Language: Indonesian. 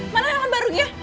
mana handphone barunya